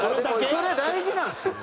それ大事なんですよ